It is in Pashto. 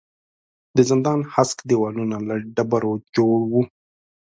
د زندان هسک دېوالونه له ډبرو جوړ وو.